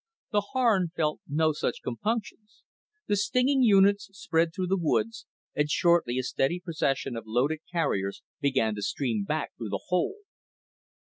The Harn felt no such compunctions. The stinging units spread through the woods, and shortly a steady procession of loaded carriers began to stream back through the hole.